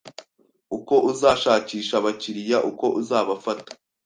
uko uzashakisha abakiriya, uko uzabafata,